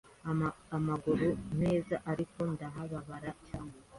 amaguru neza ariko ndahababarira cyane